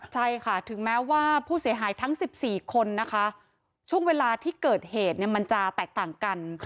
ใช่ค่ะถึงแม้ว่าผู้เสียหายทั้ง๑๔คนนะคะช่วงเวลาที่เกิดเหตุมันจะแตกต่างกัน